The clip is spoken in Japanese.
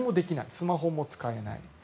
スマホも使えない。